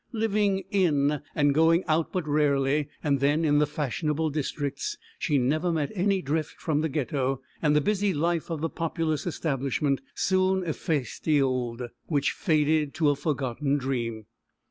Living "in," and going out but rarely, and then in the fashionable districts, she never met any drift from the Ghetto, and the busy life of the populous establishment soon effaced the old, which faded to a forgotten dream.